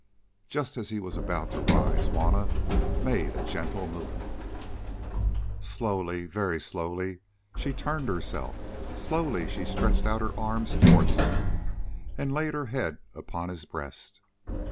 Just as he was about to rise Juanna made a gentle movement; slowly, very slowly, she turned herself, slowly she stretched out her arms towards him, and laid her head upon his breast.